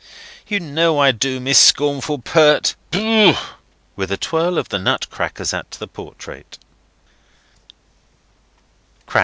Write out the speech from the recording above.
—You know I do, Miss Scornful Pert. Booh!" With a twirl of the nut crackers at the portrait.